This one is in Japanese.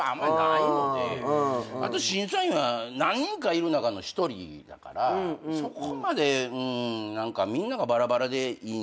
あと審査員は何人かいる中の一人だからそこまで何かみんながバラバラでいいんじゃないかな。